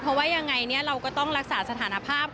เพราะว่ายังไงเราก็ต้องรักษาสถานภาพ